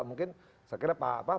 mungkin saya kira pak anan mau tahu